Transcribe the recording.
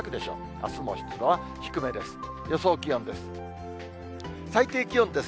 あすも湿度は低めです。